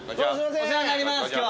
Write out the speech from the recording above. お世話になります今日は。